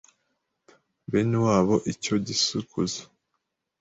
bene wabo icyo gis kuzo